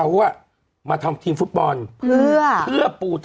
อันคารที่ผ่านมานี่เองไม่กี่วันนี่เอง